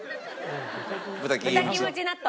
豚キムチ納豆。